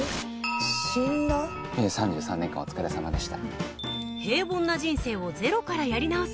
３３年間お疲れさまでした。